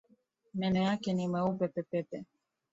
Meno yake ni meupe pepepe